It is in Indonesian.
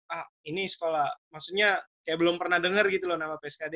ah ini sekolah maksudnya kayak belum pernah dengar gitu loh nama pskd